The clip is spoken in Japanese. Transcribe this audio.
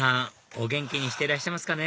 お元気にしていらっしゃいますかね？